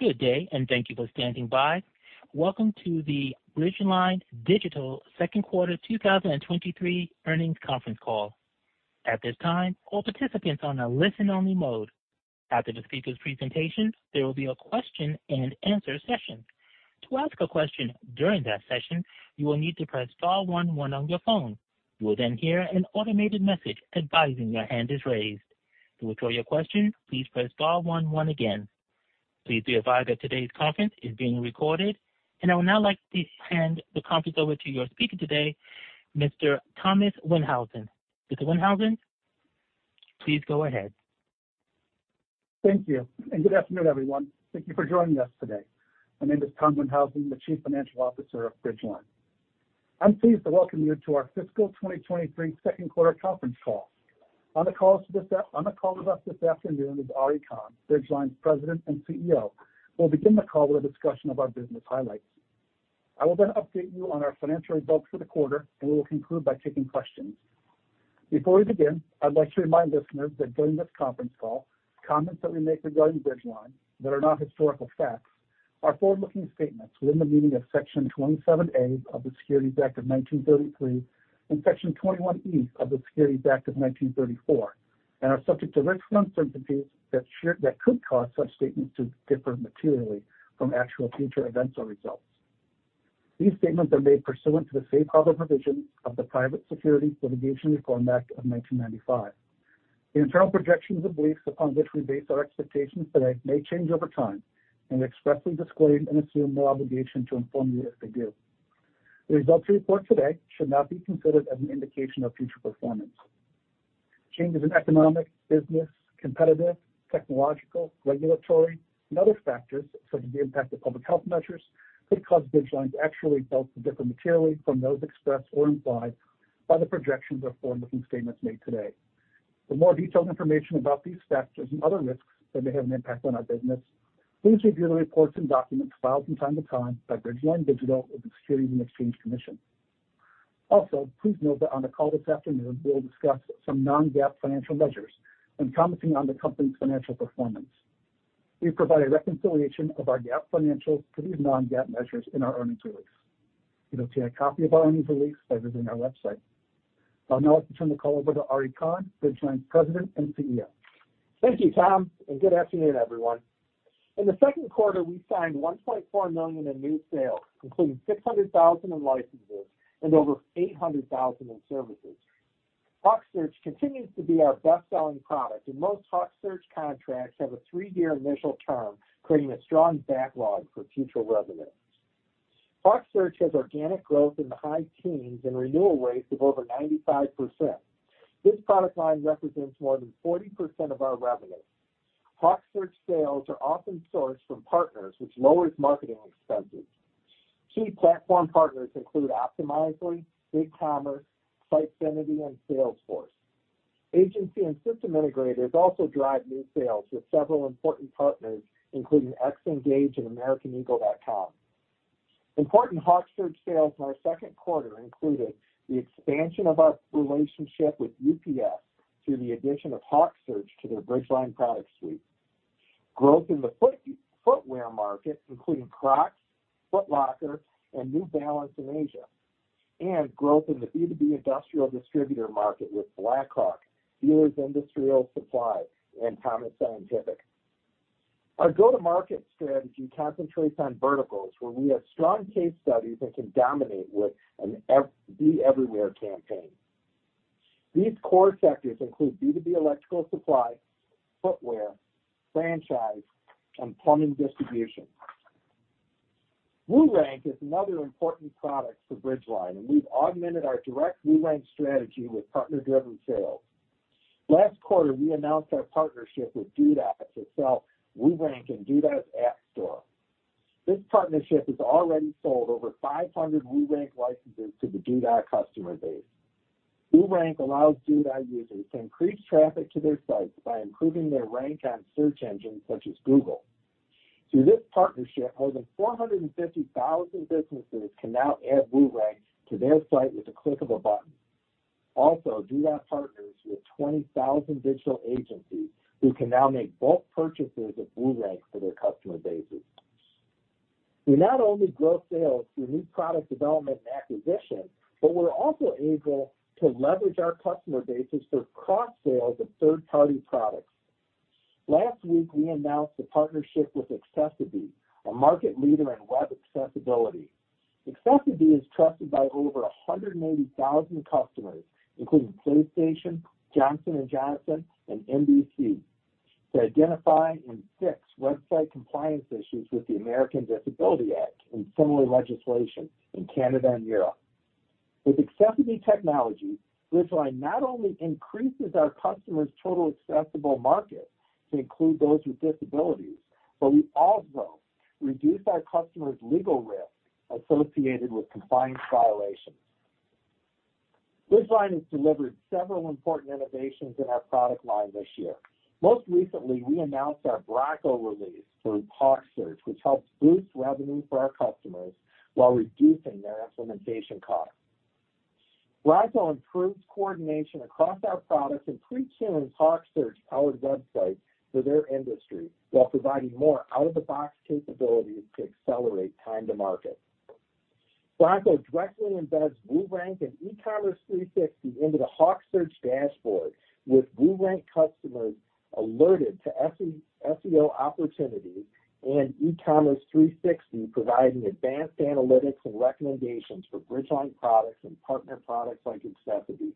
Good day. Thank you for standing by. Welcome to the Bridgeline Digital second quarter 2023 earnings conference call. At this time, all participants are on a listen-only mode. After the speaker's presentation, there will be a question-and-answer session. To ask a question during that session, you will need to press star one one on your phone. You will hear an automated message advising your hand is raised. To withdraw your question, please press star one one again. Please be advised that today's conference is being recorded. I would now like to hand the conference over to your speaker today, Mr. Thomas Windhausen. Mr. Windhausen, please go ahead. Thank you, good afternoon, everyone. Thank you for joining us today. My name is Tom Windhausen, the Chief Financial Officer of Bridgeline. I'm pleased to welcome you to our fiscal 2023 second-quarter conference call. On the call with us this afternoon is Ari Kahn, Bridgeline's President and CEO, who will begin the call with a discussion of our business highlights. I will then update you on our financial results for the quarter. We will conclude by taking questions. Before we begin, I'd like to remind listeners that during this conference call, comments that we make regarding Bridgeline that are not historical facts are forward-looking statements within the meaning of Section 27A of the Securities Act of 1933 and Section 21E of the Securities Exchange Act of 1934, and are subject to risks and uncertainties that could cause such statements to differ materially from actual future events or results. These statements are made pursuant to the safe harbor provision of the Private Securities Litigation Reform Act of 1995. The internal projections and beliefs upon which we base our expectations today may change over time, and we expressly disclaim and assume no obligation to inform you if they do. The results reported today should not be considered as an indication of future performance. Changes in economic, business, competitive, technological, regulatory and other factors, such as the impact of public health measures, could cause Bridgeline's actual results to differ materially from those expressed or implied by the projections or forward-looking statements made today. For more detailed information about these factors and other risks that may have an impact on our business, please review the reports and documents filed from time to time by Bridgeline Digital with the Securities and Exchange Commission. Also, please note that on the call this afternoon, we'll discuss some non-GAAP financial measures when commenting on the company's financial performance. We provide a reconciliation of our GAAP financials to these non-GAAP measures in our earnings release. You can obtain a copy of our earnings release by visiting our website. I'll now like to turn the call over to Ari Kahn, Bridgeline's President and CEO. Thank you, Tom, and good afternoon, everyone. In the second quarter, we signed $1.4 million in new sales, including $600,000 in licenses and over $800,000 in services. HawkSearch continues to be our best-selling product, and most HawkSearch contracts have a three-year initial term, creating a strong backlog for future revenue. HawkSearch has organic growth in the high teens and renewal rates of over 95%. This product line represents more than 40% of our revenue. HawkSearch sales are often sourced from partners, which lowers marketing expenses. Key platform partners include Optimizely, BigCommerce, Sitefinity, and Salesforce. Agency and system integrators also drive new sales with several important partners, including Xngage and Americaneagle.com. Important HawkSearch sales in our second quarter included the expansion of our relationship with UPS through the addition of HawkSearch to their Bridgeline product suite. Growth in the footwear market, including Crocs, Foot Locker, and New Balance in Asia, and growth in the B2B industrial distributor market with Blackhawk, Dealers Industrial Supply, and Thomas Scientific. Our go-to-market strategy concentrates on verticals where we have strong case studies and can dominate with a be everywhere campaign. These core sectors include B2B electrical supply, footwear, franchise, and plumbing distribution. WooRank is another important product for Bridgeline, and we've augmented our direct WooRank strategy with partner-driven sales. Last quarter, we announced our partnership with Duda to sell WooRank in Duda's App Store. This partnership has already sold over 500 WooRank licenses to the Duda customer base. WooRank allows Duda users to increase traffic to their sites by improving their rank on search engines such as Google. Through this partnership, more than 450,000 businesses can now add WooRank to their site with a click of a button. Duda partners with 20,000 digital agencies who can now make bulk purchases of WooRank for their customer bases. We not only grow sales through new product development and acquisition, but we're also able to leverage our customer bases to cross-sell the third-party products. Last week, we announced a partnership with accessiBe, a market leader in web accessibility. accessiBe is trusted by over 180,000 customers, including PlayStation, Johnson & Johnson, and NBC, to identify and fix website compliance issues with the Americans with Disabilities Act and similar legislation in Canada and Europe. With accessiBe technology, Bridgeline not only increases our customers' total accessible market to include those with disabilities, but we also reduce our customers' legal risk associated with compliance violations. Bridgeline has delivered several important innovations in our product line this year. Most recently, we announced our Branco release through HawkSearch, which helps boost revenue for our customers while reducing their implementation costs. Branco improves coordination across our products and pre-tunes HawkSearch powered websites for their industry, while providing more out-of-the-box capabilities to accelerate time to market. Branco directly embeds WooRank and eCommerce360 into the HawkSearch dashboard, with WooRank customers alerted to SEO opportunities and eCommerce360 providing advanced analytics and recommendations for Bridgeline products and partner products like Inceptly.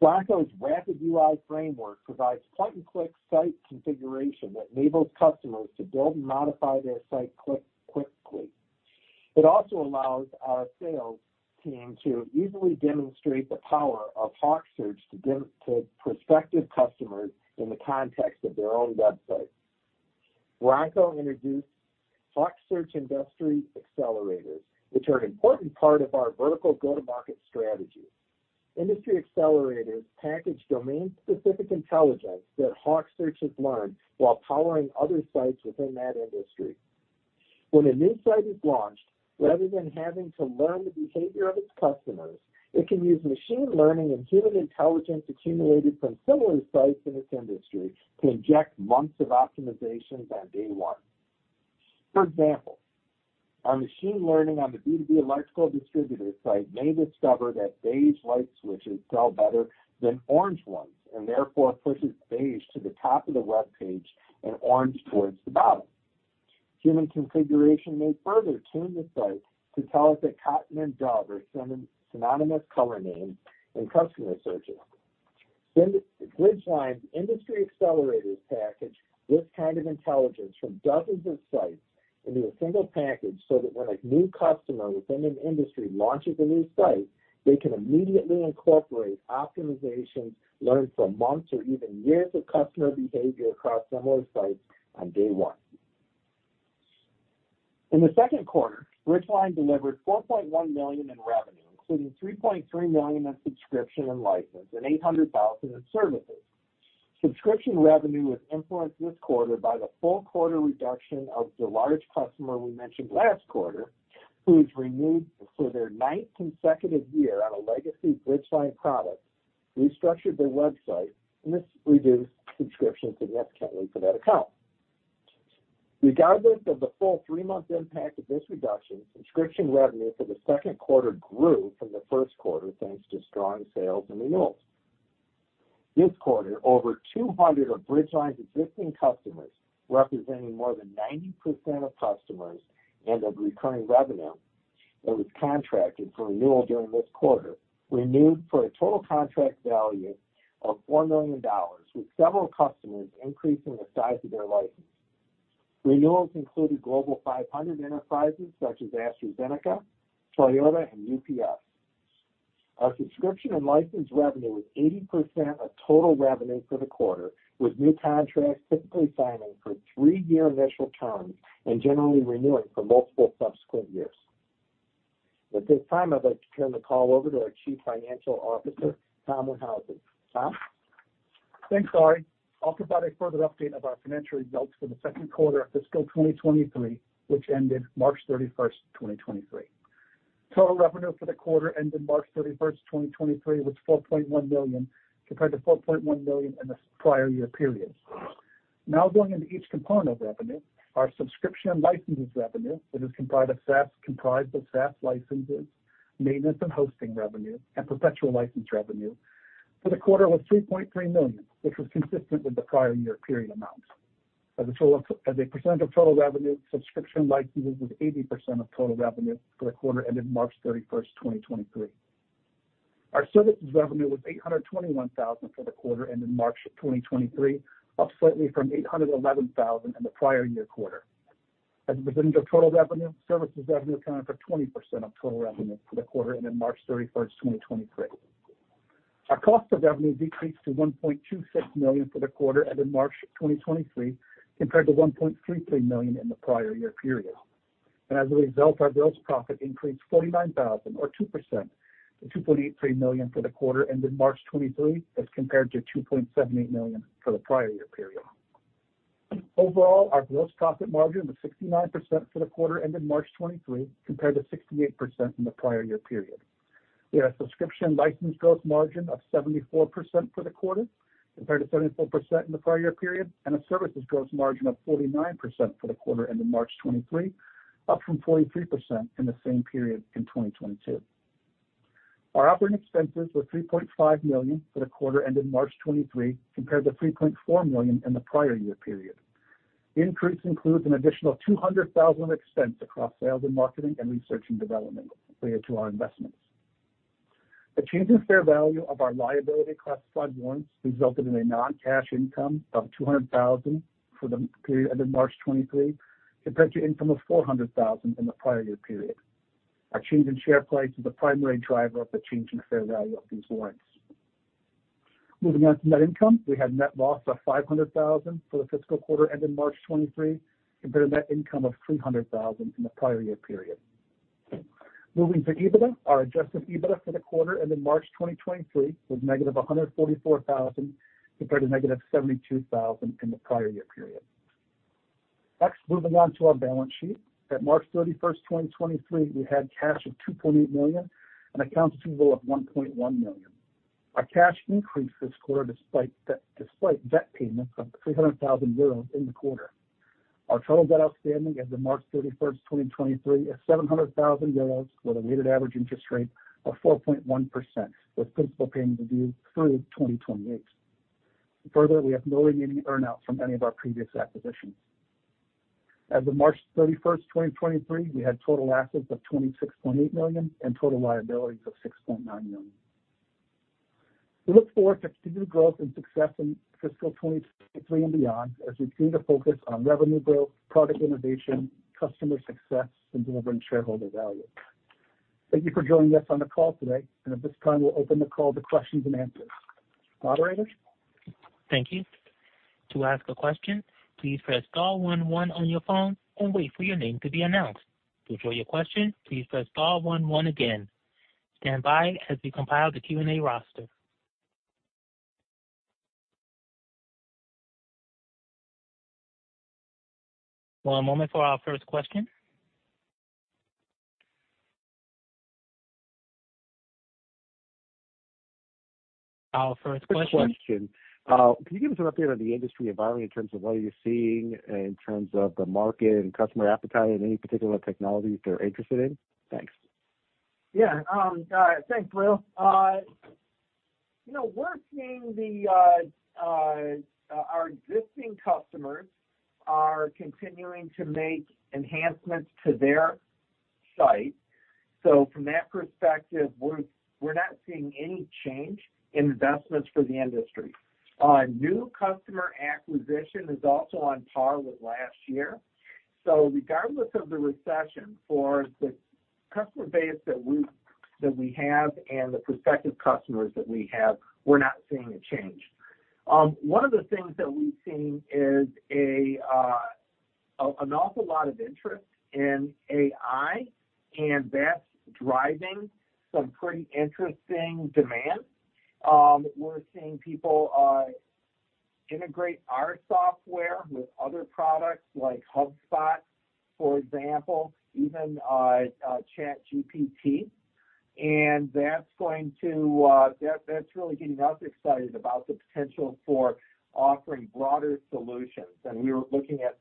Branco's rapid UI framework provides point-and-click site configuration that enables customers to build and modify their site quickly. It also allows our sales team to easily demonstrate the power of HawkSearch to prospective customers in the context of their own website. Branco introduced HawkSearch Industry Accelerators, which are an important part of our vertical go-to-market strategy. Industry accelerators package domain-specific intelligence that HawkSearch has learned while powering other sites within that industry. When a new site is launched, rather than having to learn the behavior of its customers, it can use machine learning and human intelligence accumulated from similar sites in its industry to inject months of optimizations on day one. For example, our machine learning on the B2B electrical distributor site may discover that beige light switches sell better than orange ones, and therefore pushes beige to the top of the webpage and orange towards the bottom. Human configuration may further tune the site to tell us that cotton and dog are synonymous color names in customer searches. Bridgeline's industry accelerators package this kind of intelligence from dozens of sites into a single package so that when a new customer within an industry launches a new site, they can immediately incorporate optimizations learned from months or even years of customer behavior across similar sites on day one. In the second quarter, Bridgeline delivered $4.1 million in revenue, including $3.3 million in subscription and license and $800,000 in services. Subscription revenue was influenced this quarter by the full quarter reduction of the large customer we mentioned last quarter, who has renewed for their 9th consecutive year on a legacy Bridgeline product, restructured their website, and this reduced subscriptions significantly for that account. Regardless of the full three-month impact of this reduction, subscription revenue for the second quarter grew from the first quarter, thanks to strong sales and renewals. This quarter, over 200 of Bridgeline's existing customers, representing more than 90% of customers and of recurring revenue that was contracted for renewal during this quarter, renewed for a total contract value of $4 million, with several customers increasing the size of their license. Renewals included global 500 enterprises such as AstraZeneca, Toyota, and UPS. Our subscription and license revenue was 80% of total revenue for the quarter, with new contracts typically signing for 3-year initial terms and generally renewing for multiple subsequent years. At this time, I'd like to turn the call over to our Chief Financial Officer, Tom Windhausen. Tom? Thanks, Ari. I'll provide a further update of our financial results for the second quarter of fiscal 2023, which ended 31st March, 2023. Total revenue for the quarter ending 31st March, 2023 was $4.1 million, compared to $4.1 million in the prior year period. Going into each component of revenue. Our subscription and licenses revenue, that is comprised of SaaS licenses, maintenance and hosting revenue, and perpetual license revenue for the quarter was $3.3 million, which was consistent with the prior year period amount. As a percent of total revenue, subscription and licenses was 80% of total revenue for the quarter ending 31st March, 2023. Our services revenue was $821,000 for the quarter ending March 2023, up slightly from $811,000 in the prior year quarter. As a percentage of total revenue, services revenue accounted for 20% of total revenue for the quarter ending March 31st, 2023. Our cost of revenue decreased to $1.26 million for the quarter ending March 2023, compared to $1.33 million in the prior year period. As a result, our gross profit increased $49,000 or 2% to $2.83 million for the quarter ending March 2023, as compared to $2.78 million for the prior year period. Overall, our gross profit margin was 69% for the quarter ending March 2023, compared to 68% in the prior year period. We had a subscription license gross margin of 74% for the quarter, compared to 74% in the prior year period, and a services gross margin of 49% for the quarter ending March 23, up from 43% in the same period in 2022. Our operating expenses were $3.5 million for the quarter ending March 23, compared to $3.4 million in the prior year period. The increase includes an additional $200,000 expense across sales and marketing and research and development related to our investments. A change in fair value of our liability-classified warrants resulted in a non-cash income of $200,000 for the period ending March 23, compared to income of $400,000 in the prior year period. Our change in share price was the primary driver of the change in fair value of these warrants. Moving on to net income. We had net loss of $500,000 for the fiscal quarter ending March 2023, compared to net income of $300,000 in the prior year period. Moving to EBITDA, our adjusted EBITDA for the quarter ending March 2023 was negative $144,000, compared to negative $72,000 in the prior year period. Moving on to our balance sheet. At March 31st, 2023, we had cash of $2.8 million and accounts receivable of $1.1 million. Our cash increased this quarter despite debt payments of 300,000 euros in the quarter. Our total debt outstanding as of March 31st, 2023 is 700,000 euros with a weighted average interest rate of 4.1%, with principal payments due through 2028. We have no remaining earn out from any of our previous acquisitions. As of March 31st, 2023, we had total assets of $26.8 million and total liabilities of $6.9 million. We look forward to continued growth and success in fiscal 2023 and beyond as we continue to focus on revenue growth, product innovation, customer success, and delivering shareholder value. Thank you for joining us on the call today, and at this time, we'll open the call to questions and answers. Operator? Thank you. To ask a question, please press star one one on your phone and wait for your name to be announced. To withdraw your question, please press star one one again. Stand by as we compile the Q&A roster. One moment for our first question. First question. Can you give us an update on the industry environment in terms of what are you seeing in terms of the market and customer appetite in any particular technologies they're interested in? Thanks. Yeah. thanks, Will. you know, we're seeing our existing customers are continuing to make enhancements to their site. From that perspective, we're not seeing any change in investments for the industry. New customer acquisition is also on par with last year. Regardless of the recession for the customer base that we have and the prospective customers that we have, we're not seeing a change. One of the things that we've seen is an awful lot of interest in AI, and that's driving some pretty interesting demand. We're seeing people integrate our software with other products like HubSpot, for example, even ChatGPT. That's really getting us excited about the potential for offering broader solutions. We are looking at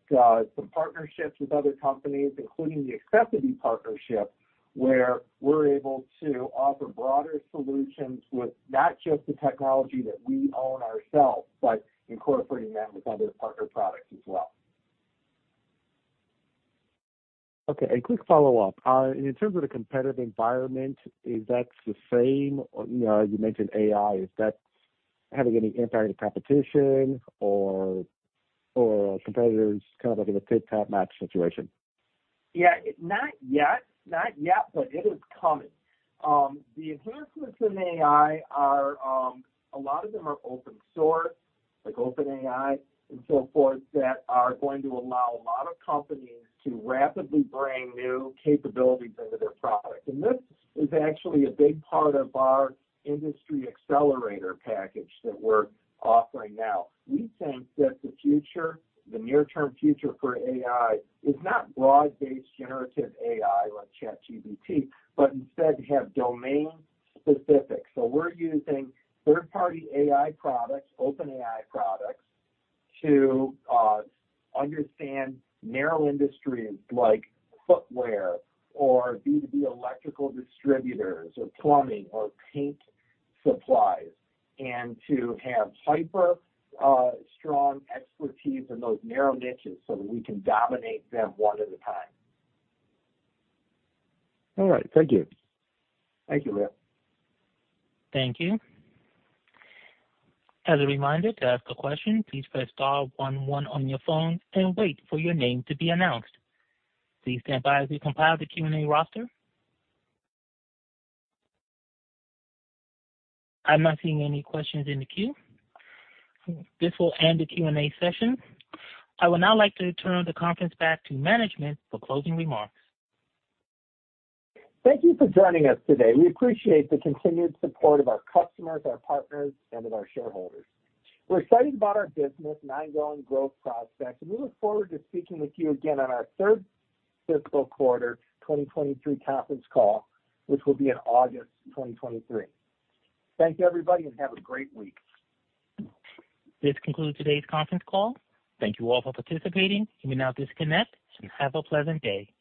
some partnerships with other companies, including the accessiBe partnership, where we're able to offer broader solutions with not just the technology that we own ourselves, but incorporating that with other partner products as well. Okay, a quick follow-up. In terms of the competitive environment, is that the same? You know, you mentioned AI. Is that having any impact on the competition or competitors kind of like in a tic-tac-match situation? Yeah, not yet. Not yet, but it is coming. The enhancements in AI are a lot of them are open source, like OpenAI and so forth, that are going to allow a lot of companies to rapidly bring new capabilities into their product. This is actually a big part of our industry accelerator package that we're offering now. We think that the future, the near-term future for AI is not broad-based generative AI like ChatGPT, but instead have domain-specific. We're using third-party AI products, OpenAI products to understand narrow industries like footwear or B2B electrical distributors or plumbing or paint supplies, and to have hyper strong expertise in those narrow niches so that we can dominate them one at a time. All right. Thank you. Thank you, Will. Thank you. As a reminder to ask a question, please press star one one on your phone and wait for your name to be announced. Please stand by as we compile the Q&A roster. I'm not seeing any questions in the queue. This will end the Q&A session. I would now like to turn the conference back to management for closing remarks. Thank you for joining us today. We appreciate the continued support of our customers, our partners, and of our shareholders. We're excited about our business and ongoing growth prospects, and we look forward to speaking with you again on our third fiscal quarter 2023 conference call, which will be in August 2023. Thanks everybody, and have a great week. This concludes today's conference call. Thank you all for participating. You may now disconnect, and have a pleasant day.